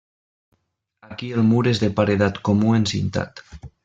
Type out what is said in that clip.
Aquí el mur és de paredat comú encintat.